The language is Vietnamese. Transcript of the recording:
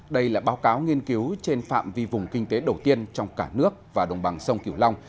đây là báo cáo nghiên cứu trên phạm vi vùng kinh tế đầu tiên trong cả nước và đồng bằng sông kiểu long